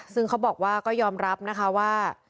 ซึ่งเขาบอกว่าก็ยอมรับนะคะว่า